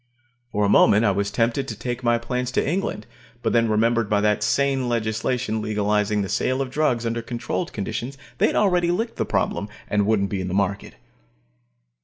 For a moment I was tempted to take my plans to England, but then remembered that by sane legislation legalizing the sale of drugs under controlled conditions, they had already licked the problem, and wouldn't be in the market.